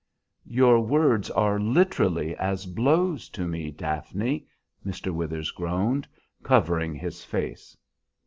"Your words are literally as blows to me, Daphne," Mr. Withers groaned, covering his face.